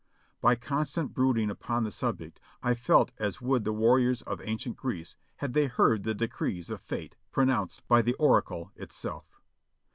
By constant brooding upon the subject I felt as would the warriors of ancient Greece had they heard the decrees of fate pronounced by the Oracle itself.